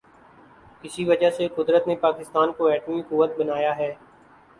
اسی وجہ سے قدرت نے پاکستان کو ایٹمی قوت بنایا ہے۔